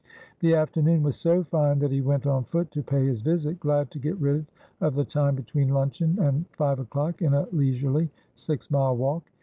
The afternoon was so fine that he went on foot to pay his visit, glad to get rid of the time between luncheon and five o'clock in a leisurely six mile walk.